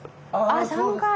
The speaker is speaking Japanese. あっ３回。